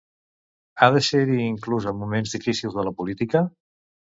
Ha de ser-hi inclús en moments difícils de la política?